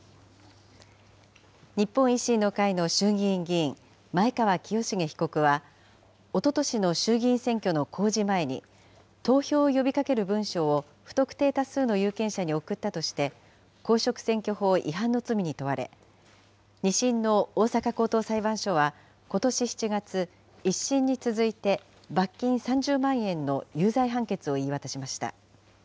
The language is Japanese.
日本維新の会の衆議院議員、前川清成被告は、おととしの衆議院選挙の公示前に、投票を呼びかける文書を不特定多数の有権者に送ったとして、公職選挙法違反の罪に問われ、２審の大阪高等裁判所はことし７月、１審に続いて罰金３０万円の有罪判決を言い渡しました。